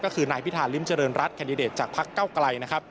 ก็คือนายพิธานริมเจริญรัฐแคดดเดตจากพักเก้าไกล